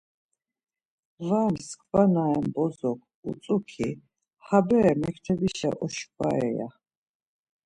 Var mskva na ren bozos utzu-ki, ha bere mektebişa oşkvare ya.